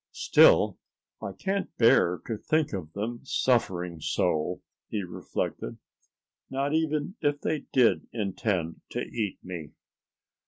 "Still, I can't bear to think of them suffering so," he reflected, "not even if they did intend to eat me."